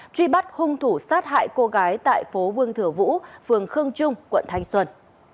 truy bắt hung thủ sát hại cô gái tại phố vương thừa vũ phường khương trung quận thanh xuân